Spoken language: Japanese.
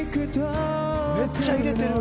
めっちゃ入れてる。